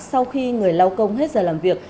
sau khi người lau công hết giờ làm việc